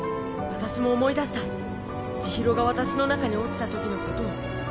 私も思い出した千尋が私の中に落ちた時のことを。